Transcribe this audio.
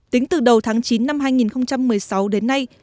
tính từ đầu tháng chín năm hai nghìn một mươi sáu đến nay